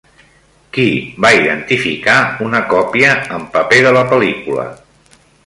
Qui va identificar una còpia en paper de la pel·lícula?